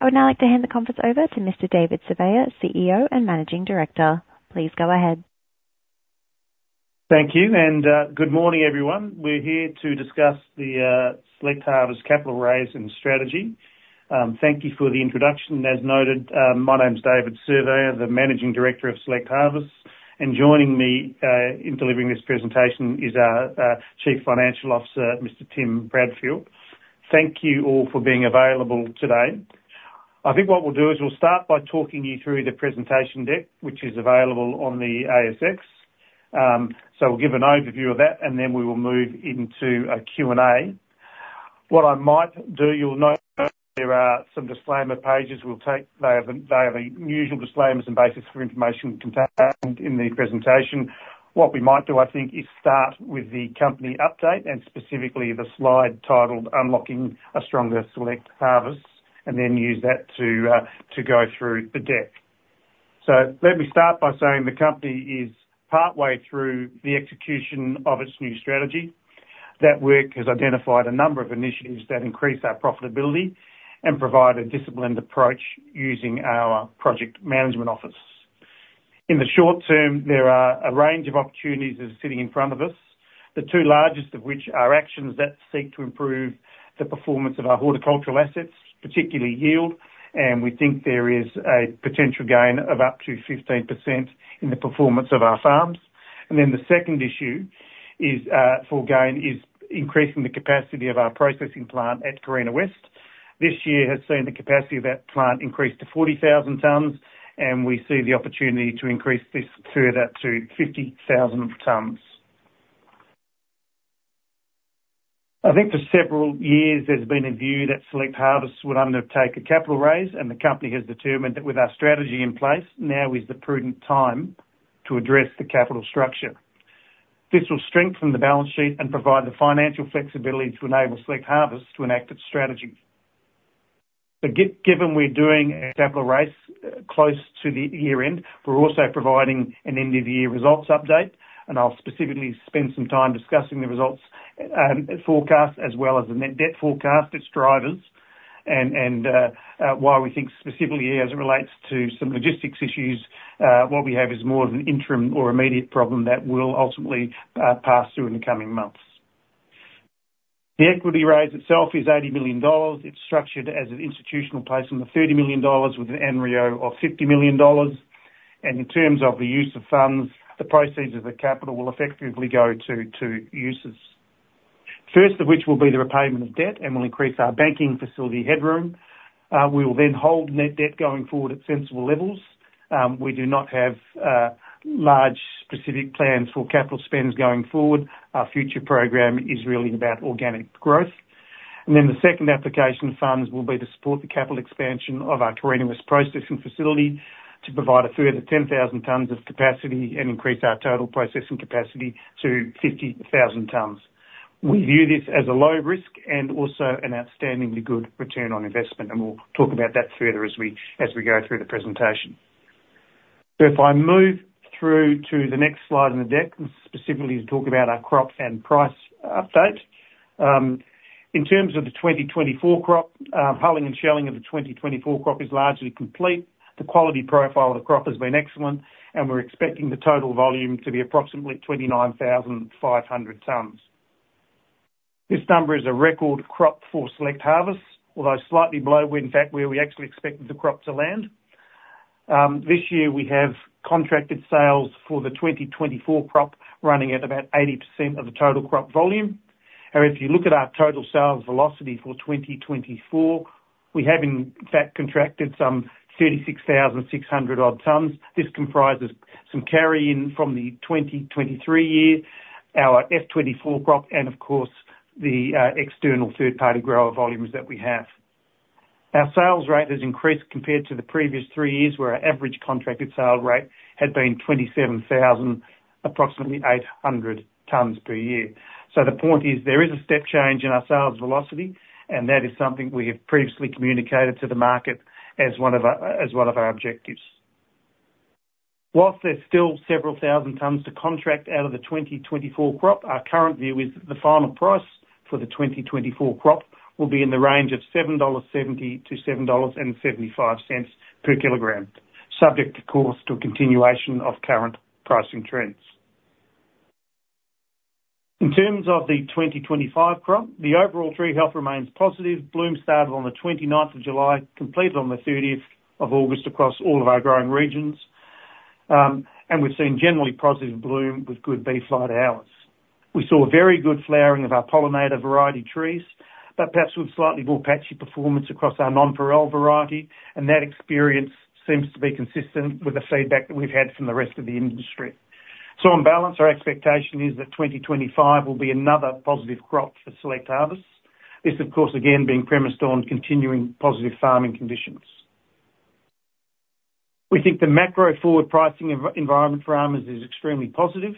I would now like to hand the conference over to Mr. David Surveyor, CEO and Managing Director. Please go ahead. Thank you, and good morning, everyone. We're here to discuss the Select Harvests capital raise and strategy. Thank you for the introduction. As noted, my name's David Surveyor, the managing director of Select Harvests, and joining me in delivering this presentation is our Chief Financial Officer, Mr. Tim Bradfield. Thank you all for being available today. I think what we'll do is we'll start by talking you through the presentation deck, which is available on the ASX. So we'll give an overview of that, and then we will move into a Q&A. What I might do, you'll note there are some disclaimer pages. They are the usual disclaimers and basis for information contained in the presentation. What we might do, I think, is start with the company update, and specifically the slide titled, "Unlocking a stronger Select Harvests," and then use that to go through the deck. So let me start by saying the company is partway through the execution of its new strategy. That work has identified a number of initiatives that increase our profitability and provide a disciplined approach using our project management office. In the short term, there are a range of opportunities that are sitting in front of us, the two largest of which are actions that seek to improve the performance of our horticultural assets, particularly yield, and we think there is a potential gain of up to 15% in the performance of our farms. And then the second issue is, for gain, is increasing the capacity of our processing plant at Carina West. This year has seen the capacity of that plant increase to 40,000 tons, and we see the opportunity to increase this further to 50,000 tons. I think for several years there's been a view that Select Harvests would undertake a capital raise, and the company has determined that with our strategy in place, now is the prudent time to address the capital structure. This will strengthen the balance sheet and provide the financial flexibility to enable Select Harvests to enact its strategy. But given we're doing a capital raise close to the year-end, we're also providing an end-of-the-year results update, and I'll specifically spend some time discussing the results forecast, as well as the net debt forecast, its drivers, and why we think specifically as it relates to some logistics issues, what we have is more of an interim or immediate problem that will ultimately pass through in the coming months. The equity raise itself is 80 million dollars. It's structured as an institutional placement of 30 million dollars with an ANREO We do not have large specific plans for capital spends going forward. Our future program is really about organic growth, and then the second application funds will be to support the capital expansion of our Carina West processing facility, to provide a further ten thousand tons of capacity and increase our total processing capacity to 50,000 tons. We view this as a low risk and also an outstandingly good return on investment, and we'll talk about that further as we go through the presentation, so if I move through to the next slide in the deck, specifically to talk about our crop and price update. In terms of the 2024 crop, hulling and shelling of the 2024 crop is largely complete. The quality profile of the crop has been excellent, and we're expecting the total volume to be approximately 29,500 tons. This number is a record crop for Select Harvests, although slightly below where, in fact, we actually expected the crop to land. This year, we have contracted sales for the 2024 crop, running at about 80% of the total crop volume. And if you look at our total sales velocity for 2024, we have, in fact, contracted some 36,600 odd tons. This comprises some carry-in from the 2023 year, our FY 2024 crop, and of course, the external third party grower volumes that we have. Our sales rate has increased compared to the previous three years, where our average contracted sale rate had been 27,800 tons per year. So the point is, there is a step change in our sales velocity, and that is something we have previously communicated to the market as one of our objectives. While there's still several thousand tons to contract out of the 2024 crop, our current view is the final price for the 2024 crop will be in the range of 7.70-7.75 dollars per kilogram, subject, of course, to a continuation of current pricing trends. In terms of the 2025 crop, the overall tree health remains positive. Bloom started on the 29th of July, completed on the 30th of August across all of our growing regions. And we've seen generally positive bloom with good bee flight hours. We saw a very good flowering of our pollinator variety trees, but perhaps with slightly more patchy performance across our Nonpareil variety, and that experience seems to be consistent with the feedback that we've had from the rest of the industry. So on balance, our expectation is that 2025 will be another positive crop for Select Harvests. This, of course, again, being premised on continuing positive farming conditions. We think the macro forward pricing environment for farmers is extremely positive.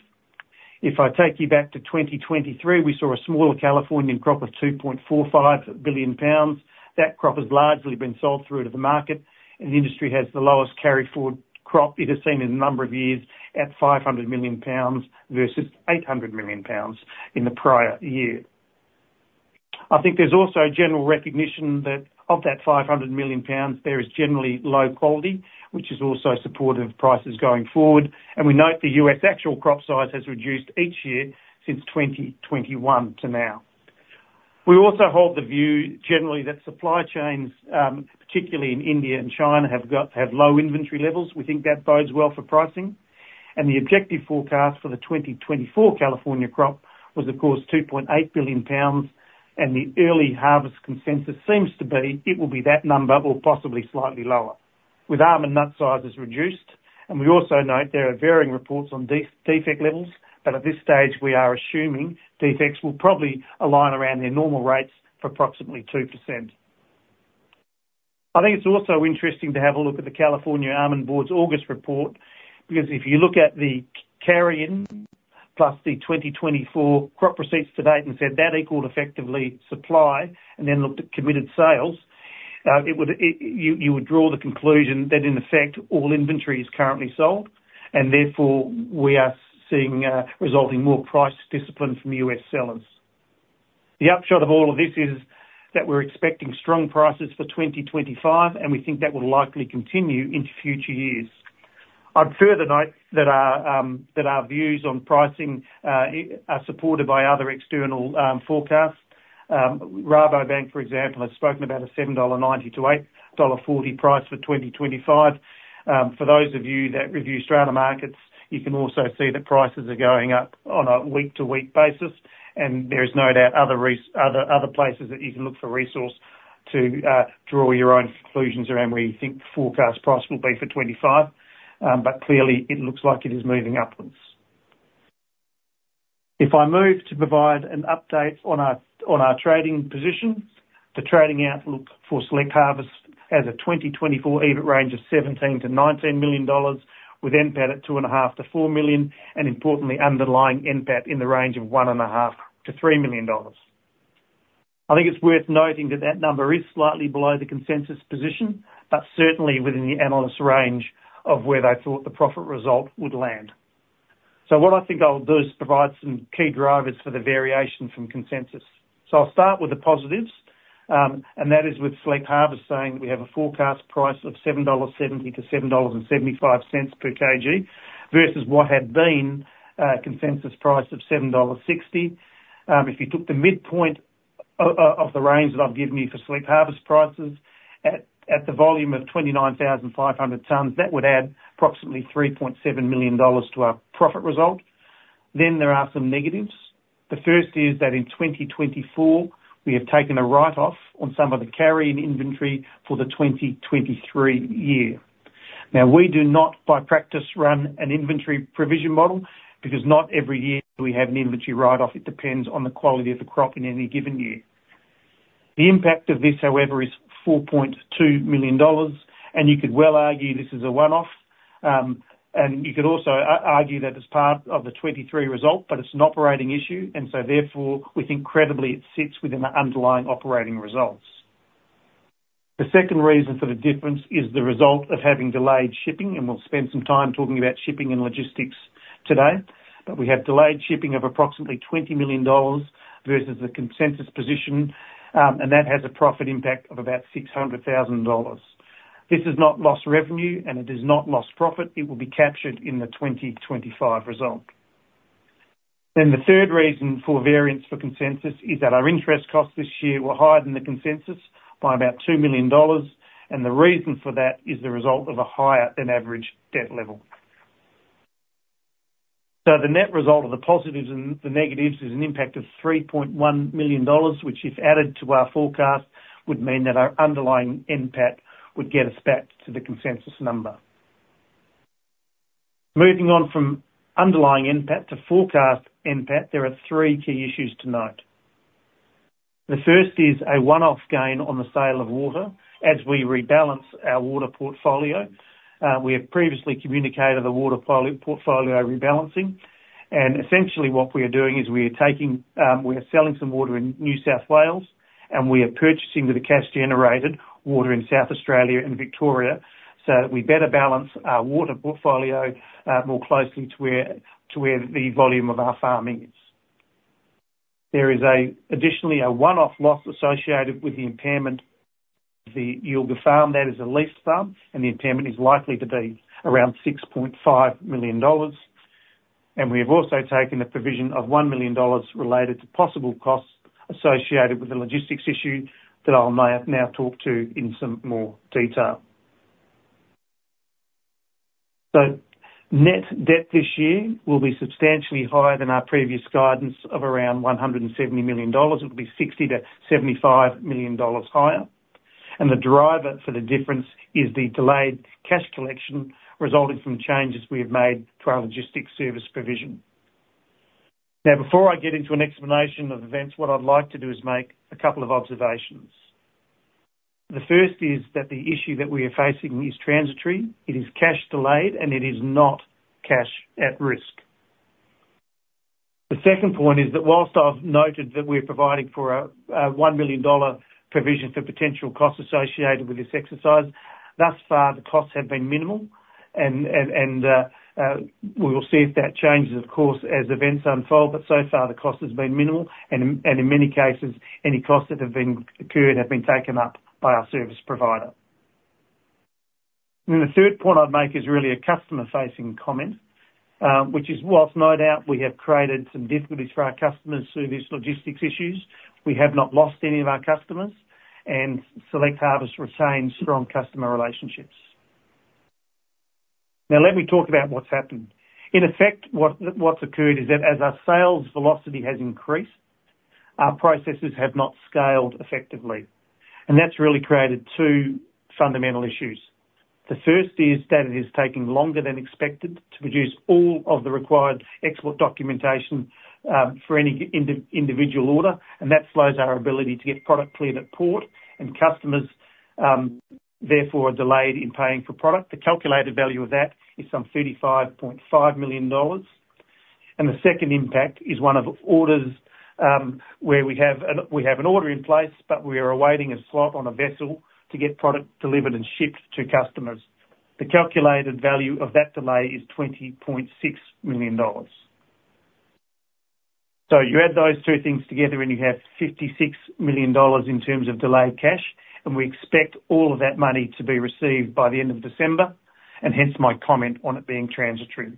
If I take you back to 2023, we saw a smaller Californian crop of £ 2.45. That crop has largely been sold through to the market, and the industry has the lowest carry forward crop it has seen in a number of years, at £ 500 million versus £ 800 million in the prior year. I think there's also a general recognition that of that £ 500 million, there is generally low quality, which is also supportive of prices going forward, and we note the U.S. actual crop size has reduced each year since 2021 to now. We also hold the view, generally, that supply chains, particularly in India and China, have got low inventory levels. We think that bodes well for pricing, and the objective forecast for the 2024 California crop was, of course, 2.8 billion pounds, and the early harvest consensus seems to be, it will be that number or possibly slightly lower, with almond nut sizes reduced. And we also note there are varying reports on defect levels, but at this stage we are assuming defects will probably align around their normal rates for approximately 2%. I think it's also interesting to have a look at the Almond Board of California's August report, because if you look at the carry-in, plus the 2024 crop receipts to date, and said that equaled effectively supply, and then looked at committed sales, it would, you would draw the conclusion that, in effect, all inventory is currently sold, and therefore we are seeing, resulting more price discipline from U.S. sellers. The upshot of all of this is that we're expecting strong prices for 2025, and we think that will likely continue into future years. I'd further note that our, that our views on pricing, are supported by other external, forecasts. Rabobank, for example, has spoken about a 7.90-8.40 dollar price for 2025. For those of you that review Australian markets, you can also see that prices are going up on a week-to-week basis, and there is no doubt other places that you can look for resources to draw your own conclusions around where you think the forecast price will be for 2025, but clearly, it looks like it is moving upwards. If I move to provide an update on our trading position, the trading outlook for Select Harvests as of 2024 EBIT range of 17-19 million dollars, with NPAT at 2.5-4 million, and importantly, underlying NPAT in the range of 1.5-3 million dollars. I think it's worth noting that that number is slightly below the consensus position, but certainly within the analyst range of where they thought the profit result would land. So what I think I'll do is provide some key drivers for the variation from consensus. So I'll start with the positives, and that is with Select Harvests saying that we have a forecast price of 7.70-7.75 dollars per KG, versus what had been a consensus price of 7.60 dollars. If you took the midpoint of the range that I've given you for Select Harvests prices, at the volume of 29,500 tons, that would add approximately 3.7 million dollars to our profit result. Then there are some negatives. The first is that in 2024, we have taken a write-off on some of the carry-in inventory for the 2023 year. Now, we do not, by practice, run an inventory provision model, because not every year do we have an inventory write-off. It depends on the quality of the crop in any given year. The NPAT of this, however, is 4.2 million dollars, and you could well argue this is a one-off, and you could also argue that it's part of the 2023 result, but it's an operating issue, and so therefore, we think credibly, it sits within the underlying operating results. The second reason for the difference is the result of having delayed shipping, and we'll spend some time talking about shipping and logistics today, but we have delayed shipping of approximately 20 million dollars versus the consensus position, and that has a profit impact of about 600,000 dollars. This is not lost revenue, and it is not lost profit. It will be captured in the 2025 result. Then the third reason for variance for consensus is that our interest costs this year were higher than the consensus by about 2 million dollars, and the reason for that is the result of a higher than average debt level. So the net result of the positives and the negatives is an NPAT of 3.1 million dollars, which, if added to our forecast, would mean that our underlying NPAT would get us back to the consensus number. Moving on from underlying NPAT to forecast NPAT, there are three key issues to note. The first is a one-off gain on the sale of water, as we rebalance our water portfolio. We have previously communicated the water portfolio rebalancing, and essentially what we are doing is we are taking, we are selling some water in New South Wales, and we are purchasing, with the cash generated, water in South Australia and Victoria, so that we better balance our water portfolio, more closely to where the volume of our farming is. There is additionally a one-off loss associated with the impairment of the Yilgarn farm-in. That is a lease farm, and the impairment is likely to be around 6.5 million dollars, and we have also taken a provision of 1 million dollars related to possible costs associated with the logistics issue that I'll now talk to in some more detail. So net debt this year will be substantially higher than our previous guidance of around 170 million dollars. It will be 60-75 million dollars higher, and the driver for the difference is the delayed cash collection resulting from changes we have made to our logistics service provision. Now, before I get into an explanation of events, what I'd like to do is make a couple of observations. The first is that the issue that we are facing is transitory, it is cash delayed, and it is not cash at risk. The second point is that while I've noted that we're providing for a one million dollar provision for potential costs associated with this exercise, thus far, the costs have been minimal. We will see if that changes, of course, as events unfold, but so far the cost has been minimal, and in many cases, any costs that have been incurred have been taken up by our service provider. And then the third point I'd make is really a customer-facing comment, which is, while no doubt we have created some difficulties for our customers through these logistics issues, we have not lost any of our customers, and Select Harvests retains strong customer relationships. Now, let me talk about what's happened. In effect, what's occurred is that as our sales velocity has increased, our processes have not scaled effectively, and that's really created two fundamental issues. The first is that it is taking longer than expected to produce all of the required export documentation, for any individual order, and that slows our ability to get product cleared at port, and customers therefore are delayed in paying for product. The calculated value of that is some 35.5 million dollars. The second impact is one of orders, where we have an order in place, but we are awaiting a slot on a vessel to get product delivered and shipped to customers. The calculated value of that delay is 20.6 million dollars. You add those two things together, and you have 56 million dollars in terms of delayed cash, and we expect all of that money to be received by the end of December, and hence my comment on it being transitory.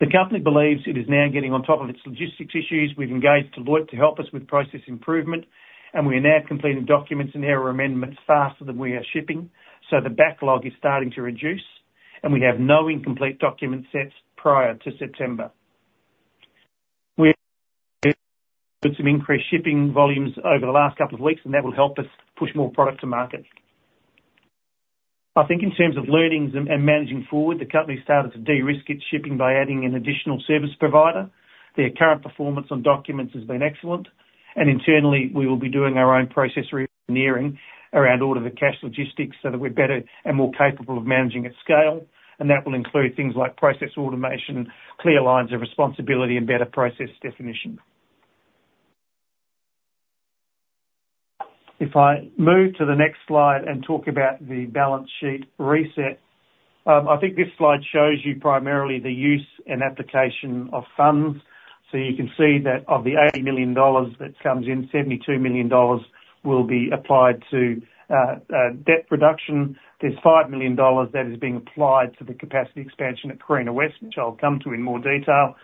The company believes it is now getting on top of its logistics issues. We have engaged Deloitte to help us with process improvement, and we are now completing documents and error amendments faster than we are shipping, so the backlog is starting to reduce, and we have no incomplete document sets prior to September. We've put some increased shipping volumes over the last couple of weeks, and that will help us push more product to market. I think in terms of learnings and managing forward, the company started to de-risk its shipping by adding an additional service provider. Their current performance on documents has been excellent, and internally, we will be doing our own process reengineering around order to cash logistics, so that we're better and more capable of managing at scale, and that will include things like process automation, clear lines of responsibility, and better process definition. If I move to the next slide and talk about the balance sheet reset, I think this slide shows you primarily the use and application of funds. So you can see that of the 80 million dollars that comes in, 72 million dollars will be applied to debt reduction. There's 5 million dollars that is being applied to the capacity expansion at Carina West, which I'll come to in more detail.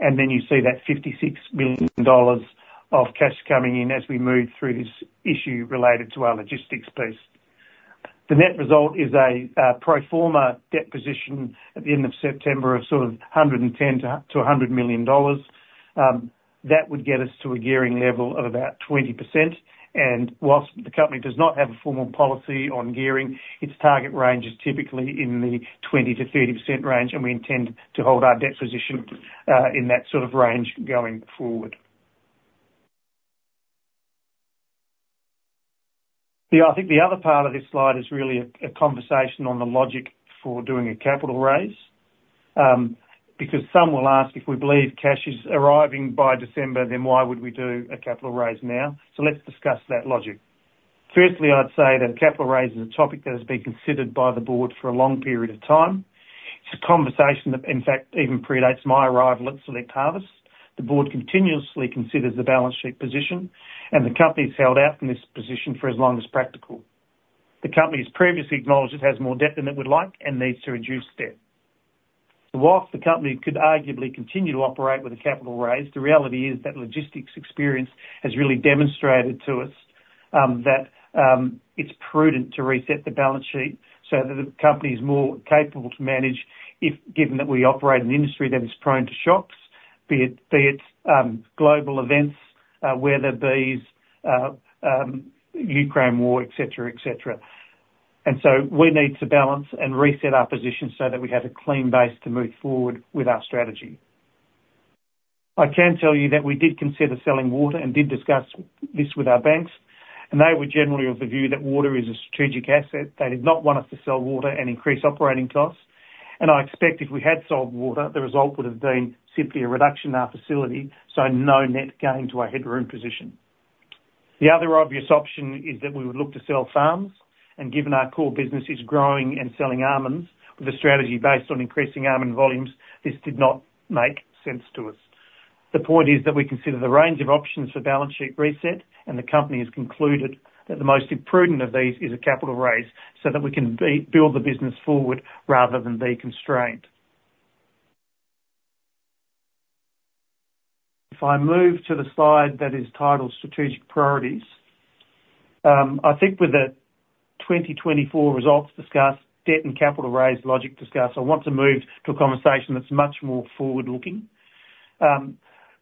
And then you see that 56 million dollars of cash coming in as we move through this issue related to our logistics piece. The net result is a pro forma debt position at the end of September of sort of 110 million to 100 million dollars. That would get us to a gearing level of about 20%, and while the company does not have a formal policy on gearing, its target range is typically in the 20%-30% range, and we intend to hold our debt position in that sort of range going forward. Yeah, I think the other part of this slide is really a conversation on the logic for doing a capital raise. Because some will ask, if we believe cash is arriving by December, then why would we do a capital raise now? So let's discuss that logic. Firstly, I'd say that a capital raise is a topic that has been considered by the board for a long period of time. It's a conversation that, in fact, even predates my arrival at Select Harvests. The board continuously considers the balance sheet position, and the company's held out from this position for as long as practical. The company's previously acknowledged it has more debt than it would like and needs to reduce debt. So whilst the company could arguably continue to operate with a capital raise, the reality is that logistics experience has really demonstrated to us that it's prudent to reset the balance sheet so that the company is more capable to manage if, given that we operate in an industry that is prone to shocks, be it global events, weather, bees, Ukraine war, et cetera, et cetera. And so we need to balance and reset our position so that we have a clean base to move forward with our strategy. I can tell you that we did consider selling water and did discuss this with our banks, and they were generally of the view that water is a strategic asset. They did not want us to sell water and increase operating costs, and I expect if we had sold water, the result would have been simply a reduction in our facility, so no net gain to our headroom position. The other obvious option is that we would look to sell farms, and given our core business is growing and selling almonds, with a strategy based on increasing almond volumes, this did not make sense to us. The point is that we consider the range of options for balance sheet reset, and the company has concluded that the most imprudent of these is a capital raise, so that we can build the business forward rather than be constrained. If I move to the slide that is titled Strategic Priorities, I think with the 2024 results discussed, debt and capital raise logic discussed, I want to move to a conversation that's much more forward-looking, with a,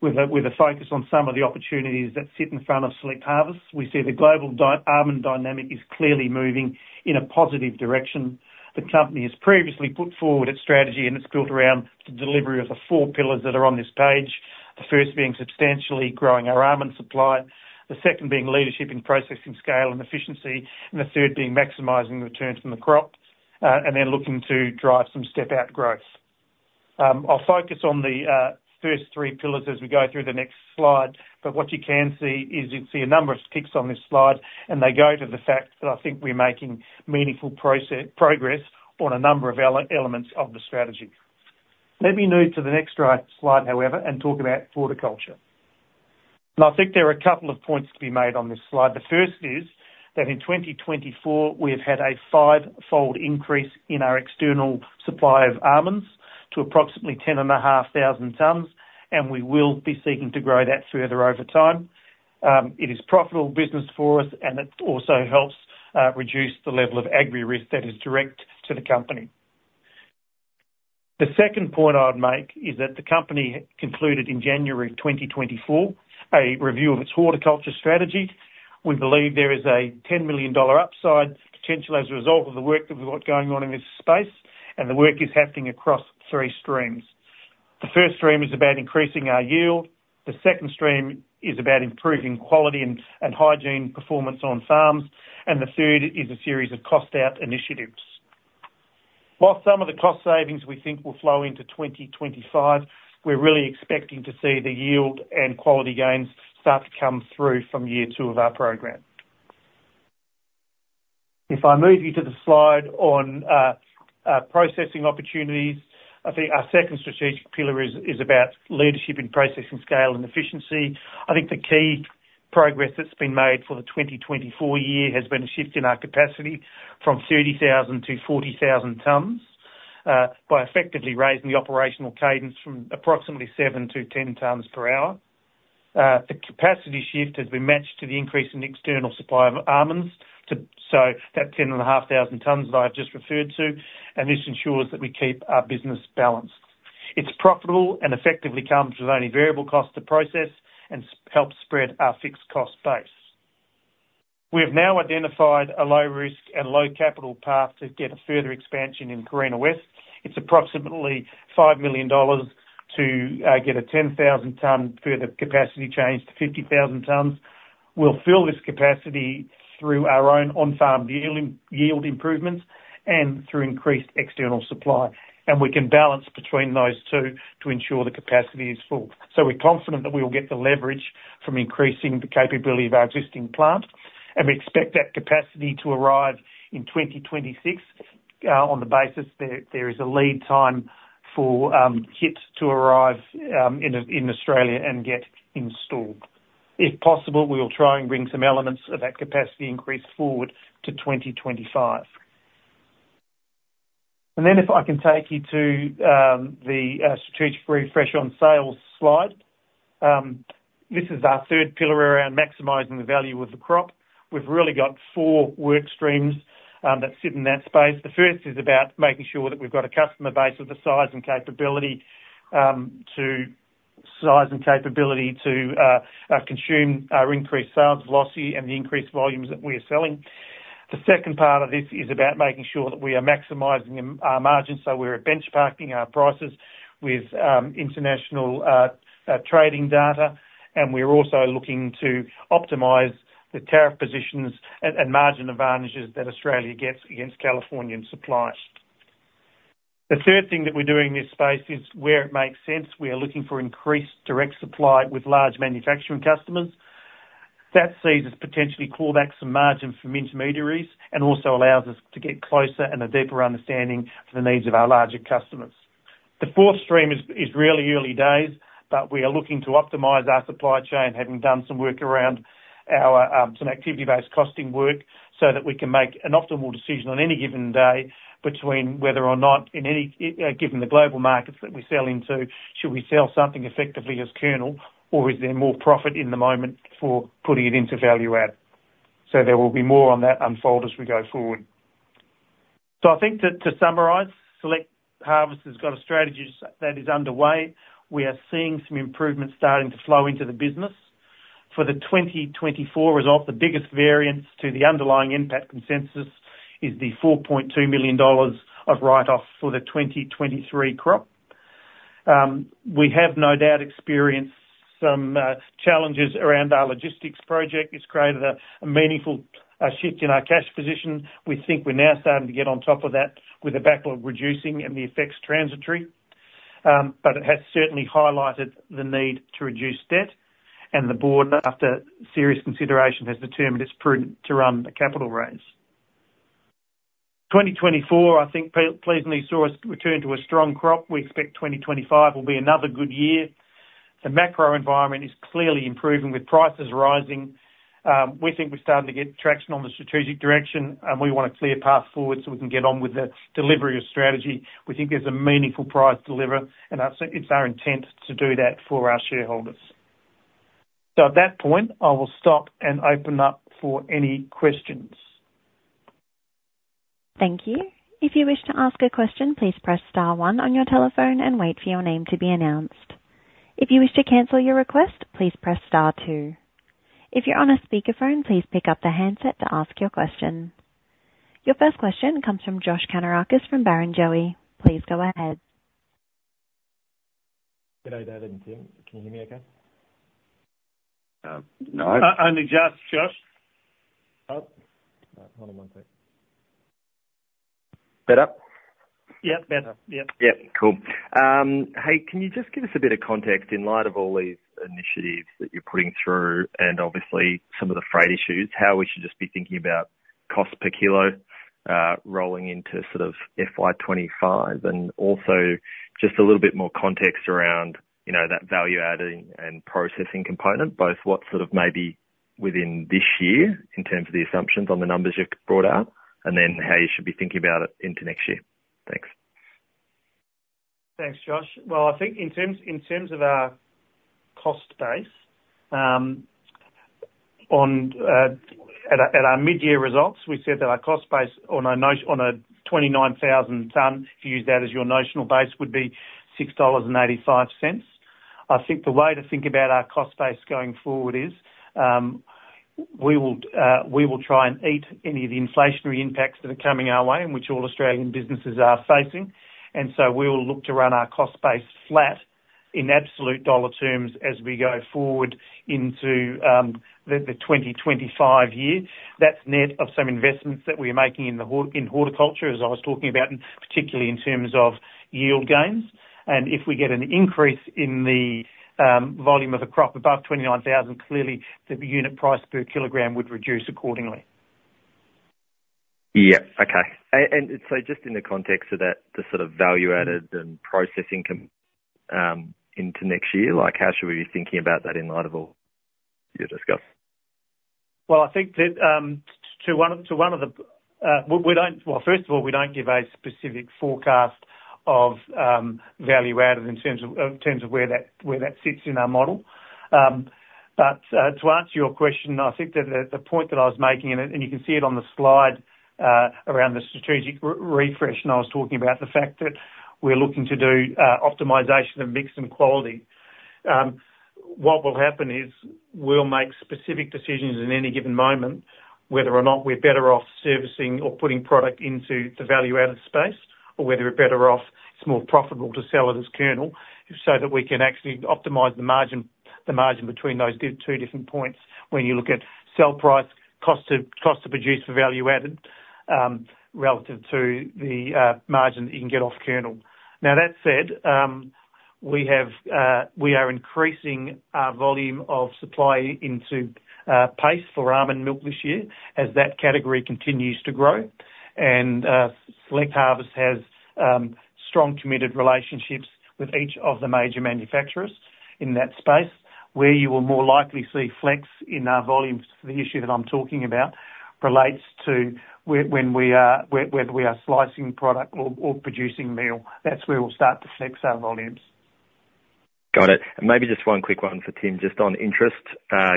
with a focus on some of the opportunities that sit in front of Select Harvests. We see the global almond dynamic is clearly moving in a positive direction. The company has previously put forward its strategy, and it's built around the delivery of the four pillars that are on this page, the first being substantially growing our almond supply, the second being leadership in processing scale and efficiency, and the third being maximizing return from the crop, and then looking to drive some step-out growth.... I'll focus on the first three pillars as we go through the next slide, but what you can see is, you can see a number of ticks on this slide, and they go to the fact that I think we're making meaningful progress on a number of elements of the strategy. Let me move to the next slide, however, and talk about horticulture. I think there are a couple of points to be made on this slide. The first is that in 2024, we've had a fivefold increase in our external supply of almonds, to approximately 10,500 tons, and we will be seeking to grow that further over time. It is profitable business for us, and it also helps reduce the level of agri-risk that is direct to the company. The second point I would make is that the company concluded in January 2024 a review of its horticulture strategy. We believe there is a 10 million dollar upside potential as a result of the work that we've got going on in this space, and the work is happening across three streams. The first stream is about increasing our yield, the second stream is about improving quality and hygiene performance on farms, and the third is a series of cost out initiatives. While some of the cost savings we think will flow into 2025, we're really expecting to see the yield and quality gains start to come through from year two of our program. If I move you to the slide on processing opportunities, I think our second strategic pillar is about leadership in processing scale and efficiency. I think the key progress that's been made for the 2024 year has been a shift in our capacity from 30,000 to 40,000 tons, by effectively raising the operational cadence from approximately 7-10 tons per hour. The capacity shift has been matched to the increase in external supply of almonds, so that 10,500 tons that I've just referred to, and this ensures that we keep our business balanced. It's profitable and effectively comes with only variable cost to process, and helps spread our fixed cost base. We have now identified a low risk and low capital path to get a further expansion in Carina West. It's approximately 5 million dollars to get a 10,000-ton further capacity change to 50,000 tons. We'll fill this capacity through our own on-farm yield, yield improvements and through increased external supply, and we can balance between those two to ensure the capacity is full. So we're confident that we'll get the leverage from increasing the capability of our existing plant, and we expect that capacity to arrive in 2026, on the basis there is a lead time for kits to arrive in Australia and get installed. If possible, we'll try and bring some elements of that capacity increase forward to 2025. And then if I can take you to the strategic refresh on sales slide. This is our third pillar around maximizing the value of the crop. We've really got four work streams that sit in that space. The first is about making sure that we've got a customer base of the size and capability to consume our increased sales velocity and the increased volumes that we are selling. The second part of this is about making sure that we are maximizing our margins, so we're benchmarking our prices with international trading data, and we're also looking to optimize the tariff positions and margin advantages that Australia gets against Californian suppliers. The third thing that we're doing in this space is, where it makes sense, we are looking for increased direct supply with large manufacturing customers. That sees us potentially claw back some margin from intermediaries, and also allows us to get closer and a deeper understanding to the needs of our larger customers. The fourth stream is really early days, but we are looking to optimize our supply chain, having done some work around our some activity-based costing work, so that we can make an optimal decision on any given day between whether or not in any given the global markets that we sell into, should we sell something effectively as kernel, or is there more profit in the moment for putting it into value add? So there will be more on that unfold as we go forward. So I think to summarize, Select Harvests has got a strategy that is underway. We are seeing some improvements starting to flow into the business. For the 2024 result, the biggest variance to the underlying NPAT consensus is the $4.2 million of write-off for the 2023 crop. We have no doubt experienced some challenges around our logistics project. It's created a meaningful shift in our cash position. We think we're now starting to get on top of that with the backlog reducing and the effects transitory. But it has certainly highlighted the need to reduce debt, and the board, after serious consideration, has determined it's prudent to run a capital raise. 2024, I think pleasantly, saw us return to a strong crop. We expect 2025 will be another good year. The macro environment is clearly improving, with prices rising. We think we're starting to get traction on the strategic direction, and we want a clear path forward so we can get on with the delivery of strategy. We think there's a meaningful prize to deliver, and that's it our intent to do that for our shareholders. So at that point, I will stop and open up for any questions. Thank you. If you wish to ask a question, please press star one on your telephone and wait for your name to be announced. If you wish to cancel your request, please press star two. If you're on a speakerphone, please pick up the handset to ask your question. Your first question comes from Josh Kannourakis from Barrenjoey. Please go ahead. Good day, David and Tim. Can you hear me okay?... No. Oh, only just, Josh? Oh, hold on one second. Better? Yeah, better. Yep. Yep, cool. Hey, can you just give us a bit of context in light of all these initiatives that you're putting through, and obviously some of the freight issues, how we should just be thinking about cost per kilo, rolling into sort of FY 2025? And also just a little bit more context around, you know, that value-adding and processing component, both what sort of maybe within this year, in terms of the assumptions on the numbers you've brought out, and then how you should be thinking about it into next year. Thanks. Thanks, Josh. I think in terms of our cost base, at our mid-year results, we said that our cost base on a 29,000-ton, if you use that as your notional base, would be 6.85 dollars. I think the way to think about our cost base going forward is, we will try and eat any of the inflationary impacts that are coming our way, and which all Australian businesses are facing. So we will look to run our cost base flat in absolute dollar terms as we go forward into the 2025 year. That's net of some investments that we're making in horticulture, as I was talking about, and particularly in terms of yield gains. If we get an increase in the volume of a crop above 29,000, clearly the unit price per kilogram would reduce accordingly. Yeah. Okay. And so just in the context of that, the sort of value-added and processing coming into next year, like, how should we be thinking about that in light of all you've discussed? First of all, we don't give a specific forecast of value-added in terms of where that sits in our model. But to answer your question, I think that the point that I was making, and you can see it on the slide, around the strategic refresh, and I was talking about the fact that we're looking to do optimization of mix and quality. What will happen is, we'll make specific decisions in any given moment, whether or not we're better off servicing or putting product into the value-added space, or whether we're better off. It's more profitable to sell it as kernel, so that we can actually optimize the margin between those two different points when you look at sell price, cost to produce the value added, relative to the margin that you can get off kernel. Now, that said, we are increasing our volume of supply into APAC for almond milk this year, as that category continues to grow. Select Harvests has strong, committed relationships with each of the major manufacturers in that space, where you will more likely see flex in our volumes. The issue that I'm talking about relates to whether we are slicing product or producing meal. That's where we'll start to flex our volumes. Got it. And maybe just one quick one for Tim, just on interest.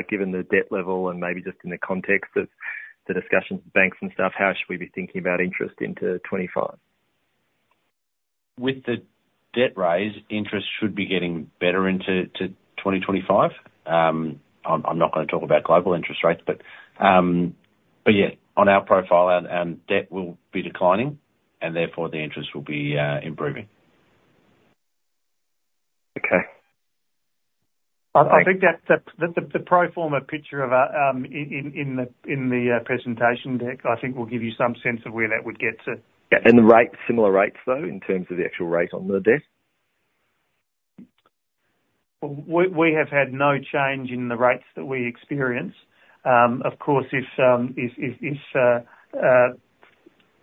Given the debt level, and maybe just in the context of the discussions with banks and stuff, how should we be thinking about interest into 2025? With the debt raise, interest should be getting better into to 2025. I'm not gonna talk about global interest rates, but yeah, on our profile, debt will be declining, and therefore the interest will be improving. Okay. I think that's the pro forma picture of our in the presentation deck. I think will give you some sense of where that would get to. Yeah, and the rates, similar rates, though, in terms of the actual rate on the debt? We have had no change in the rates that we experience. Of course, if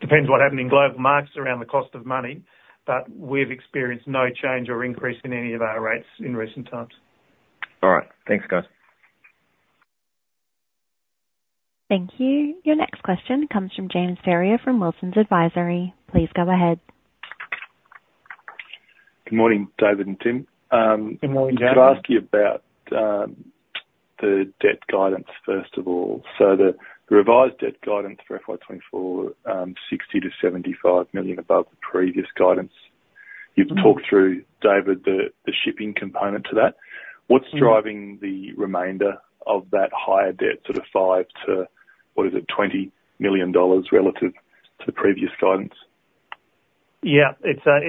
depends what happened in global markets around the cost of money, but we've experienced no change or increase in any of our rates in recent times. All right. Thanks, guys. Thank you. Your next question comes from James Ferrier from Wilsons Advisory. Please go ahead. Good morning, David and Tim. Good morning, James. Could I ask you about the debt guidance, first of all? The revised debt guidance for FY 2024 is 60 million-75 million above the previous guidance. Mm. You've talked through, David, the shipping component to that. Mm. What's driving the remainder of that higher debt, sort of $5 to, what is it? $20 million relative to the previous guidance? Yeah, it's a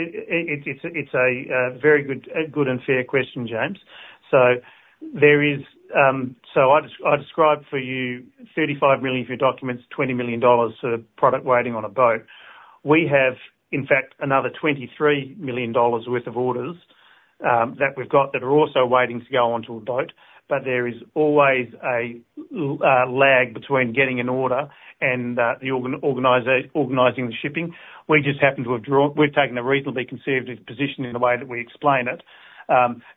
very good and fair question, James. So I described for you 35 million worth of product, 20 million dollars of product waiting on a boat. We have, in fact, another 23 million dollars worth of orders that we've got are also waiting to go onto a boat, but there is always a lag between getting an order and organizing the shipping. We've taken a reasonably conservative position in the way that we explain it,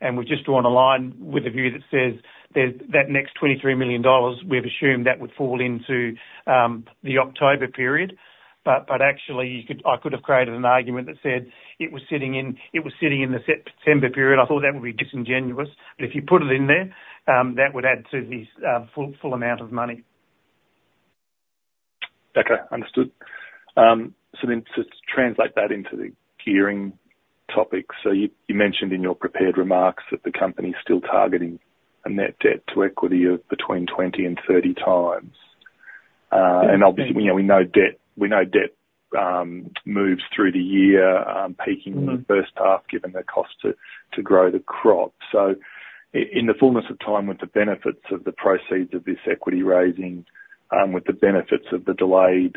and we've just drawn a line with a view that says, there's that next 23 million dollars. We've assumed that would fall into the October period. Actually, you could—I could have created an argument that said it was sitting in the September period. I thought that would be disingenuous, but if you put it in there, that would add to the full amount of money. Okay. Understood. So then, so to translate that into the gearing topic, so you mentioned in your prepared remarks that the company's still targeting a net debt to equity of between 20 and 30 times. And obviously, you know, we know debt moves through the year, peaking in the first half, given the cost to grow the crop. So in the fullness of time, with the benefits of the proceeds of this equity raising, with the benefits of the delayed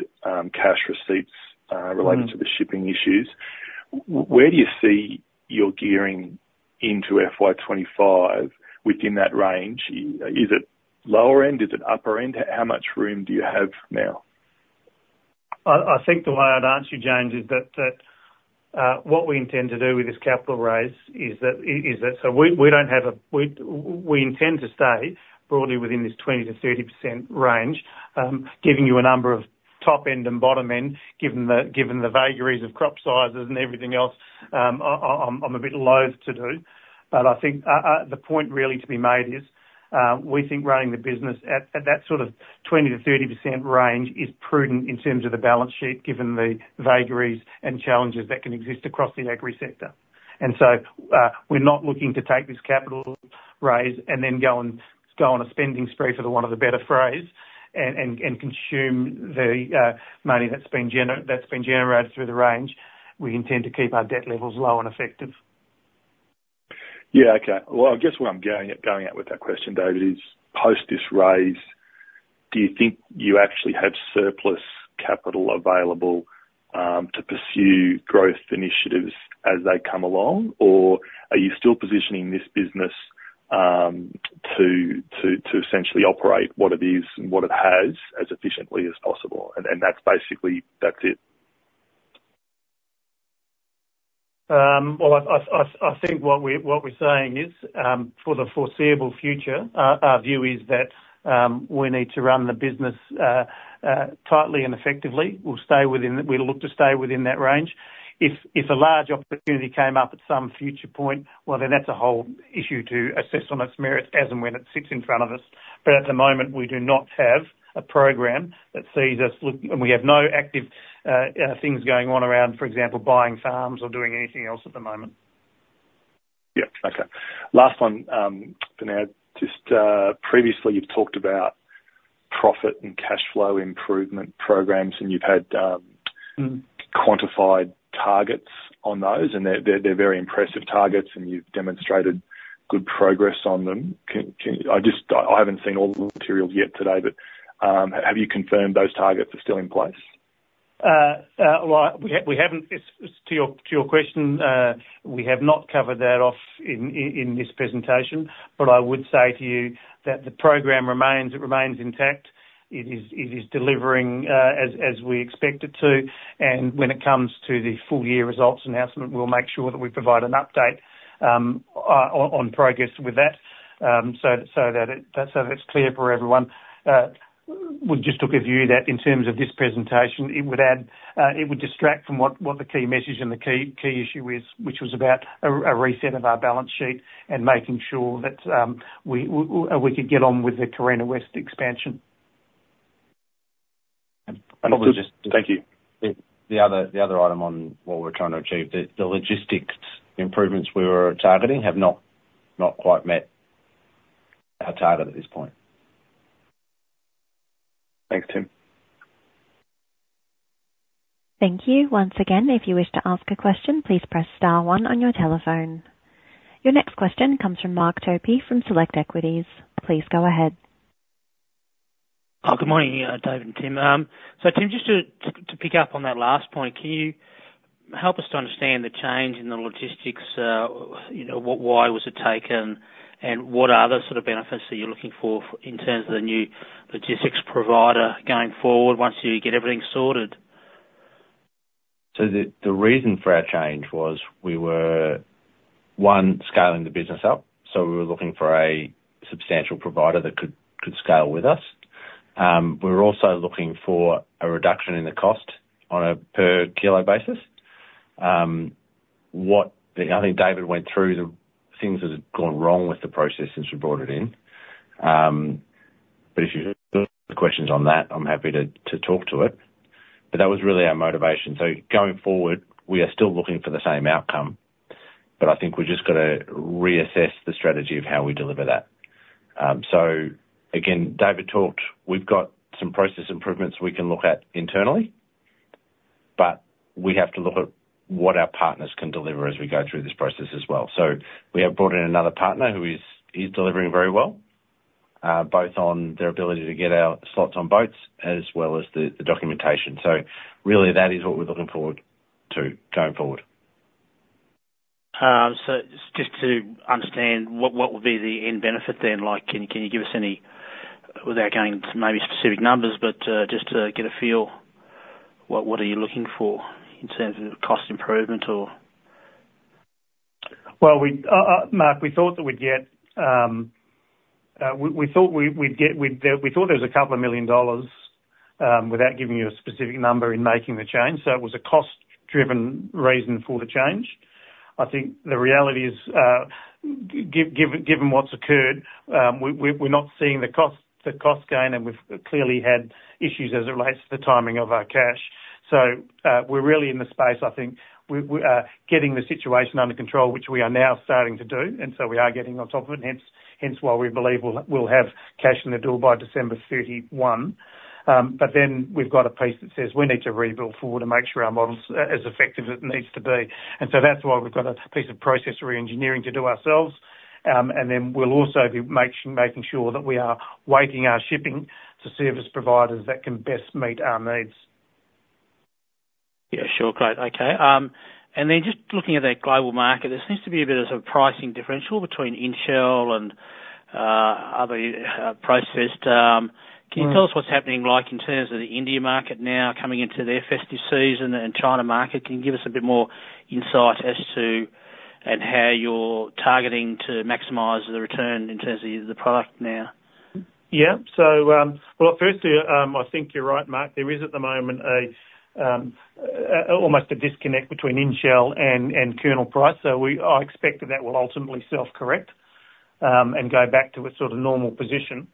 cash receipts. Mm. -related to the shipping issues, where do you see your gearing into FY 2025 within that range? Is it lower end, is it upper end? How much room do you have now? I think the way I'd answer you, James, is that what we intend to do with this capital raise is that. So we intend to stay broadly within this 20%-30% range. Giving you a number of top end and bottom end, given the vagaries of crop sizes and everything else, I'm a bit loath to do. But I think the point really to be made is we think running the business at that sort of 20%-30% range is prudent in terms of the balance sheet, given the vagaries and challenges that can exist across the agri sector. And so, we're not looking to take this capital raise and then go on a spending spree for the want of a better phrase, and consume the money that's been generated through the raise. We intend to keep our debt levels low and effective. Yeah. Okay. Well, I guess where I'm going at with that question, David, is post this raise, do you think you actually have surplus capital available to pursue growth initiatives as they come along? Or are you still positioning this business to essentially operate what it is and what it has as efficiently as possible, and that's basically it? I think what we're saying is, for the foreseeable future, our view is that we need to run the business tightly and effectively. We'll look to stay within that range. If a large opportunity came up at some future point, well, then that's a whole issue to assess on its merits as and when it sits in front of us. But at the moment, we do not have a program that sees us look, and we have no active things going on around, for example, buying farms or doing anything else at the moment. Yeah. Okay. Last one, now just, previously you've talked about profit and cash flow improvement programs, and you've had, Mm... quantified targets on those, and they're very impressive targets, and you've demonstrated good progress on them. Can you-- I just, I haven't seen all the materials yet today, but have you confirmed those targets are still in place? Well, we haven't. As to your question, we have not covered that off in this presentation, but I would say to you that the program remains, it remains intact. It is delivering as we expect it to, and when it comes to the full-year results announcement, we'll make sure that we provide an update on progress with that so that it's clear for everyone. We just took a view that in terms of this presentation, it would distract from what the key message and the key issue is, which was about a reset of our balance sheet, and making sure that we could get on with the Carina West expansion. Thank you. The other item on what we're trying to achieve, the logistics improvements we were targeting, have not quite met our target at this point. Thanks, Tim. Thank you. Once again, if you wish to ask a question, please press star one on your telephone. Your next question comes from Mark Topy from Select Equities. Please go ahead. Oh, good morning, David and Tim. So Tim, just to pick up on that last point, can you help us to understand the change in the logistics? You know, what, why was it taken, and what other sort of benefits are you looking for in terms of the new logistics provider going forward, once you get everything sorted? So the reason for our change was we were scaling the business up, so we were looking for a substantial provider that could scale with us. We were also looking for a reduction in the cost on a per kilo basis. What the... I think David went through the things that had gone wrong with the process since we brought it in. But if you have questions on that, I'm happy to talk to it, but that was really our motivation. So going forward, we are still looking for the same outcome, but I think we've just got to reassess the strategy of how we deliver that. So again, David talked, we've got some process improvements we can look at internally, but we have to look at what our partners can deliver as we go through this process as well. So we have brought in another partner who is delivering very well, both on their ability to get our slots on boats as well as the documentation. So really, that is what we're looking forward to going forward. So, just to understand, what would be the end benefit then? Like, can you give us any, without going into maybe specific numbers, but just to get a feel, what are you looking for in terms of cost improvement or? Mark, we thought that we'd get. We thought there was a couple of million dollars without giving you a specific number in making the change, so it was a cost-driven reason for the change. I think the reality is, given what's occurred, we're not seeing the cost gain, and we've clearly had issues as it relates to the timing of our cash. We're really in the space, I think, getting the situation under control, which we are now starting to do, and so we are getting on top of it, hence why we believe we'll have cash in the door by December 31. But then we've got a piece that says, "We need to rebuild forward and make sure our model's as effective as it needs to be." And so that's why we've got a piece of process reengineering to do ourselves. And then we'll also be making sure that we are weighting our shipping to service providers that can best meet our needs. Yeah, sure. Great. Okay, and then just looking at that global market, there seems to be a bit of sort of pricing differential between in-shell and other processed. Mm. Can you tell us what's happening, like, in terms of the India market now coming into their festive season and China market? Can you give us a bit more insight as to... and how you're targeting to maximize the return in terms of the product now? Yeah. So, well, firstly, I think you're right, Mark. There is, at the moment, almost a disconnect between in-shell and kernel price, so I expect that that will ultimately self-correct and go back to a sort of normal position.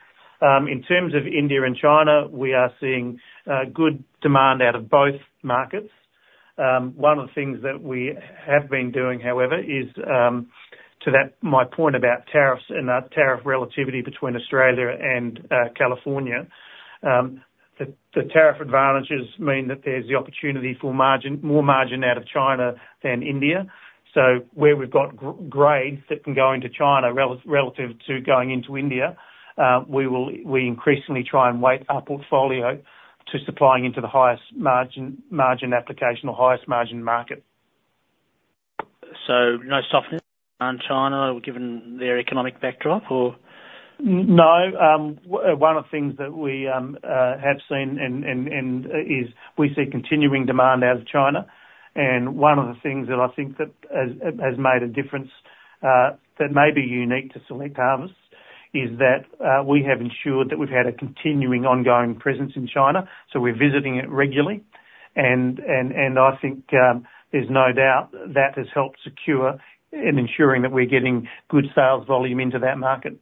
In terms of India and China, we are seeing good demand out of both markets. One of the things that we have been doing, however, is to that my point about tariffs and that tariff relativity between Australia and California. The tariff advantages mean that there's the opportunity for more margin out of China than India. So where we've got grades that can go into China, relative to going into India, we increasingly try and weight our portfolio to supplying into the highest margin application or highest margin market. So no softness in China, given their economic backdrop, or? One of the things that we have seen and is we see continuing demand out of China. One of the things that I think that has made a difference that may be unique to Select Harvests is that we have ensured that we've had a continuing, ongoing presence in China, so we're visiting it regularly. And I think there's no doubt that has helped secure in ensuring that we're getting good sales volume into that market.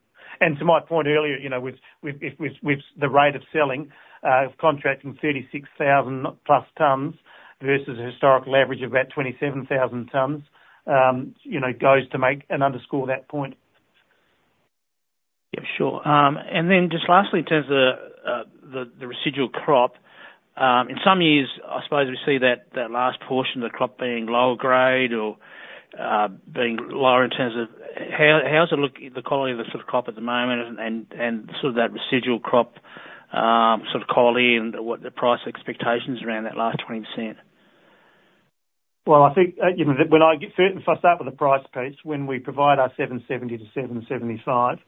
To my point earlier, you know, with the rate of selling of contracting 36,000+ tons versus a historical average of about 27,000 tons, you know, goes to make and underscore that point. Yeah, sure. And then just lastly, in terms of the residual crop, in some years, I suppose we see that last portion of the crop being lower grade or being lower in terms of... How's it look, the quality of the sort of crop at the moment and sort of that residual crop, sort of quality and what the price expectations around that last 20%? Well, I think, you know, first, if I start with the price piece, when we provide our 7.70-7.75,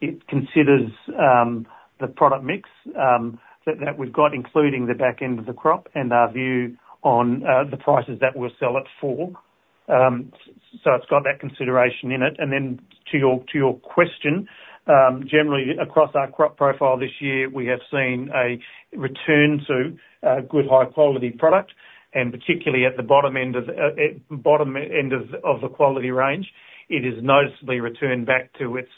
it considers the product mix that we've got, including the back end of the crop, and our view on the prices that we'll sell it for. So it's got that consideration in it. And then to your question, generally across our crop profile this year, we have seen a return to good high quality product, and particularly at the bottom end of the quality range, it has noticeably returned back to its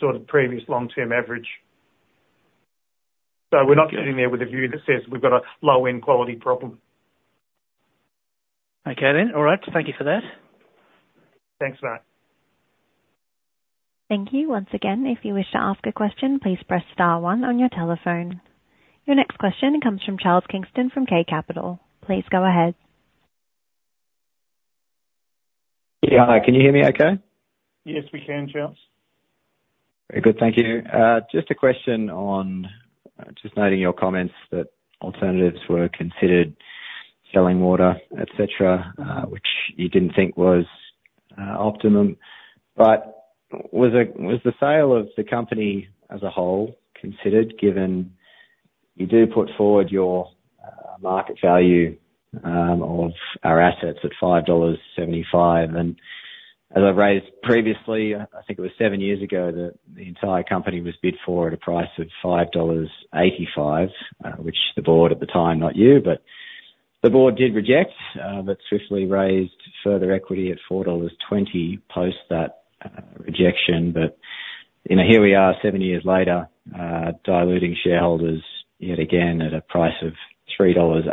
sort of previous long-term average. So we're not sitting there with a view that says we've got a low-end quality problem. Okay, then. All right. Thank you for that. Thanks, Mark. Thank you. Once again, if you wish to ask a question, please press star one on your telephone. Your next question comes from Charles Kingston from K Capital. Please go ahead. Yeah, hi. Can you hear me okay? Yes, we can, Charles. Very good, thank you. Just a question on, just noting your comments that alternatives were considered, selling water, et cetera, which you didn't think was, optimum, but was the sale of the company as a whole considered, given you do put forward your, market value, of our assets at 5.75 dollars? And as I've raised previously, I think it was seven years ago, that the entire company was bid for at a price of 5.85 dollars, which the board at the time, not you, but the board did reject, but swiftly raised further equity at 4.20 dollars, post that, rejection. But, you know, here we are, seven years later, diluting shareholders yet again at a price of 3.80 dollars,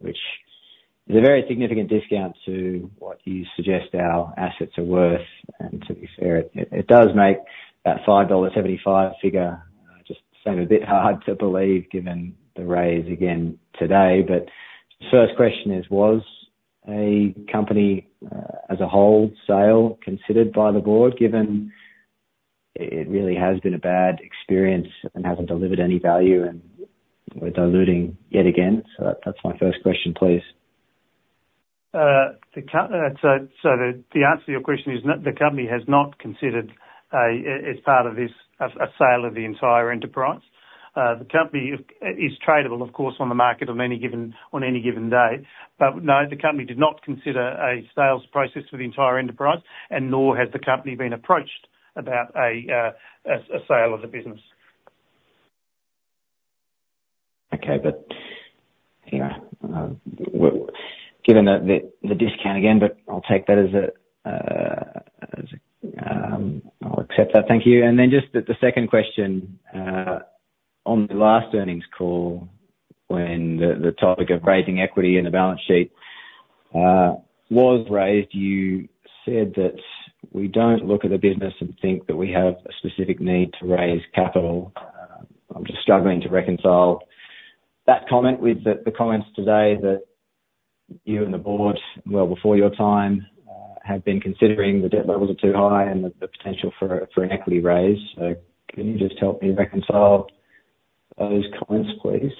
which is a very significant discount to what you suggest our assets are worth. To be fair, it does make that 5.75 dollars figure just sound a bit hard to believe, given the raise again today. But first question is: Was a sale of the company as a whole considered by the board, given it really has been a bad experience and hasn't delivered any value, and we're diluting yet again? So that's my first question, please. So, the answer to your question is the company has not considered, as part of this, a sale of the entire enterprise. The company is tradable, of course, on the market on any given day. But no, the company did not consider a sales process for the entire enterprise, and nor has the company been approached about a sale of the business. Okay. But, you know, given that the discount again, but I'll take that as a... I'll accept that. Thank you. And then just the second question on the last earnings call, when the topic of raising equity in the balance sheet was raised, you said that we don't look at the business and think that we have a specific need to raise capital. I'm just struggling to reconcile that comment with the comments today that you and the board, well before your time, have been considering the debt levels are too high and the potential for an equity raise. So can you just help me reconcile those comments, please?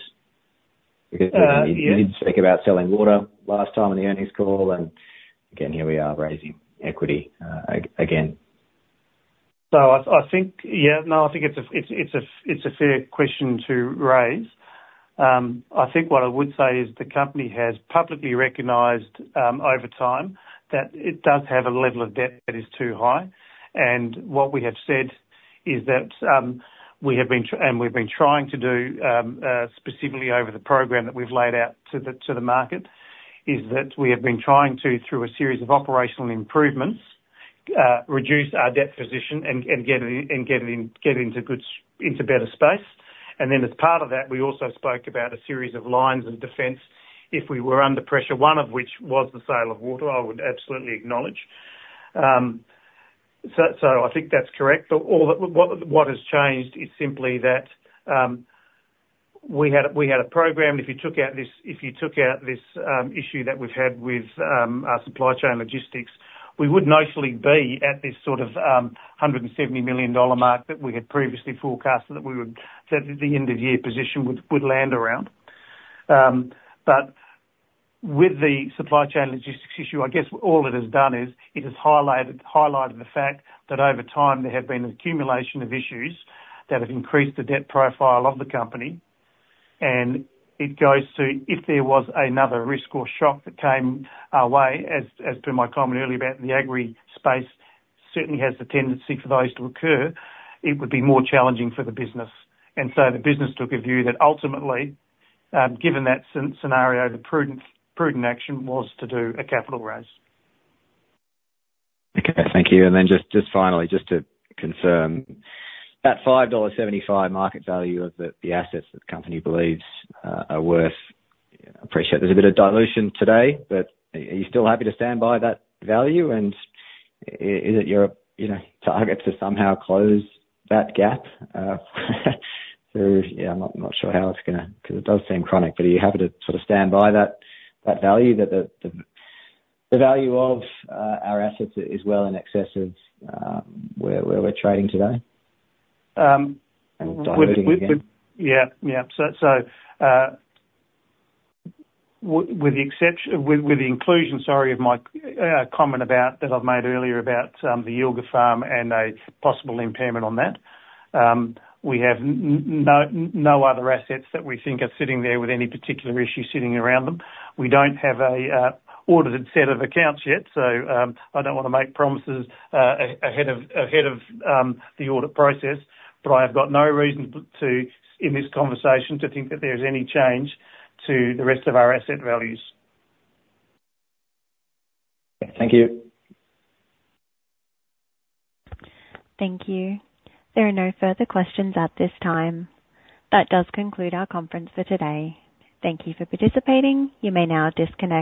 Because- Uh, yeah. You did speak about selling water last time in the earnings call, and again, here we are raising equity, again. I think it's a fair question to raise. I think what I would say is the company has publicly recognized over time that it does have a level of debt that is too high. What we have said is that we've been trying to do specifically over the program that we've laid out to the market is that we have been trying to through a series of operational improvements reduce our debt position and get it into better space. As part of that, we also spoke about a series of lines of defense if we were under pressure, one of which was the sale of water. I would absolutely acknowledge. So, I think that's correct. But all that what has changed is simply that we had a program. If you took out this issue that we've had with our supply chain logistics, we would nicely be at this sort of 170 million dollar mark that we had previously forecasted that we would, that at the end of year position would land around. But with the supply chain logistics issue, I guess all it has done is, it has highlighted the fact that over time there have been an accumulation of issues that have increased the debt profile of the company, and it goes to, if there was another risk or shock that came our way, as per my comment earlier about the agri space, certainly has the tendency for those to occur, it would be more challenging for the business. And so the business took a view that ultimately, given that scenario, the prudent action was to do a capital raise. Okay, thank you. And then just finally to confirm that $5.75 market value of the assets that the company believes are worth. Appreciate there's a bit of dilution today, but are you still happy to stand by that value, and is it your, you know, target to somehow close that gap? So yeah, I'm not sure how it's gonna... 'cause it does seem chronic, but are you happy to sort of stand by that value, that the value of our assets is well in excess of where we're trading today? Um, w- Diluting again. Yeah. So, with the inclusion, sorry, of my comment about that I've made earlier about the Yilgarn farm-in and a possible impairment on that, we have no other assets that we think are sitting there with any particular issue sitting around them. We don't have an audited set of accounts yet, so I don't wanna make promises ahead of the audit process, but I have got no reason to, in this conversation, to think that there's any change to the rest of our asset values. Thank you. Thank you. There are no further questions at this time. That does conclude our conference for today. Thank you for participating. You may now disconnect.